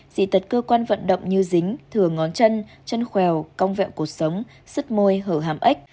dị tật cơ quan vận động như dính thừa ngón chân chân khòeo cong vẹo cuộc sống sứt môi hở hàm ếch